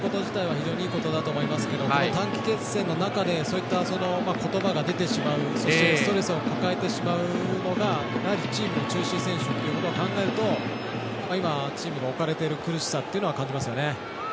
非常にいいことだと思いますけど短期決戦の中でそういった言葉が出てしまうそしてストレスを抱えてしまうのがチームの中心選手ということを考えると今、チームが置かれている苦しさは感じますよね。